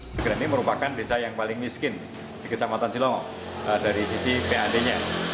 migran ini merupakan desa yang paling miskin di kecamatan cilongok dari sisi pad nya